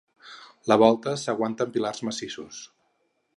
La volta s'aguanta amb pilars massissos.